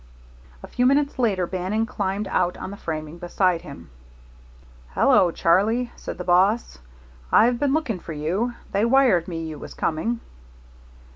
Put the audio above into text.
A few minutes later Bannon climbed out on the framing beside him. "Hello, Charlie!" said the boss, "I've been looking for you. They wired me you was coming."